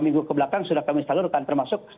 minggu kebelakang sudah kami salurkan termasuk